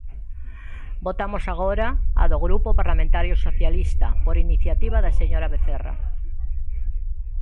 Votamos agora a do Grupo Parlamentario Socialista, por iniciativa da señora Vecerra.